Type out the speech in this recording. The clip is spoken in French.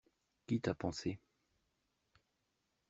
Qui t'a pansé?